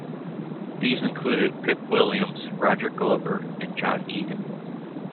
These included Pip Williams, Roger Glover, and John Eden.